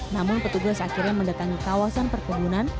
namun petugas akhirnya mendatangi kawasan perkebunan